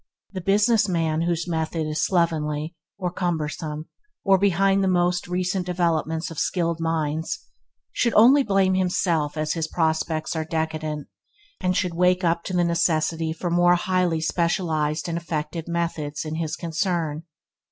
The business man whose method is slovenly, or cumbersome, or behind the most recent developments of skilled minds, should only blame himself as his prospects are decadent, and should wake up to the necessity for more highly specialized and effective methods in his concern.